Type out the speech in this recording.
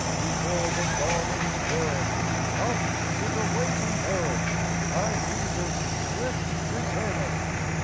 " Before the dawning's birth, Up to the waiting earth Our Jesus swift returneth.